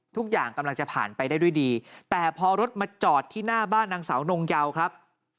ทุกอย่างกำลังจะผ่านไปได้ด้วยดีแต่พอรถมาจอดที่หน้าบ้านนางสาวนงเยาครับ